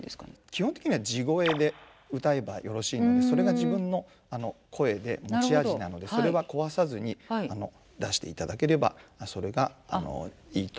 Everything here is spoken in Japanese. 基本的には地声で歌えばよろしいのでそれが自分の声で持ち味なのでそれは壊さずに出していただければそれがいいと思いますけれども。